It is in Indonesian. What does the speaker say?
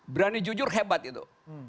berani jujur hebat itu